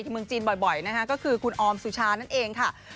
เมืองจีนบ่อยนะคะก็คือคุณออมสุชานั่นเองค่ะ